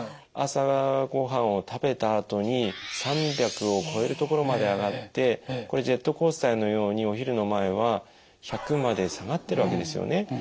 朝ご飯を食べたあとに３００を超える所まで上がってこれジェットコースターのようにお昼の前は１００まで下がってるわけですよね。